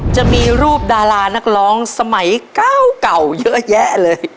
จะมีรูปดารานักร้องสมัยเก้าเก่าเยอะแยะเลย